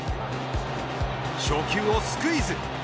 初球をスクイズ。